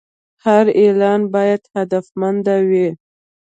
هر اعلان باید هدفمند وي.